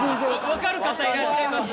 わかる方いらっしゃいます？